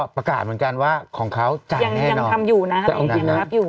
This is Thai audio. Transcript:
ประกาศเหมือนกันว่าของเขาจ่ายแน่นอนยังยังทำอยู่นะครับยังทำอยู่